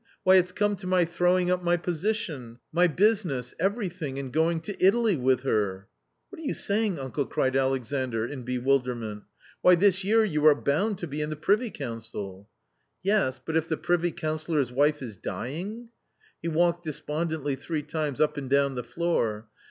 Why, its come to my throwing up .my position, my business— everything and g oing t oJtal£^witli hpr *"^ What are you saying, uncle 1" cried Alexandr, in bewildeillie ni ," wliy7T hfeyearyou^re"T)ound to be in the privycouncil." Yes, But if the privy councillor's wife is dying I ". He walked despondently three times up and down the room.